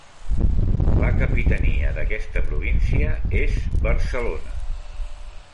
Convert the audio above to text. La capitania d'aquesta província és Barcelona.